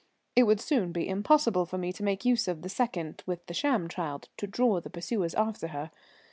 It would soon be impossible for me to make use of the second with the sham child to draw the pursuers after her.